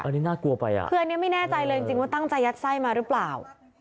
อันนี้น่ากลัวไปอ่ะคืออันนี้ไม่แน่ใจเลยจริงจริงว่าตั้งใจยัดไส้มาหรือเปล่า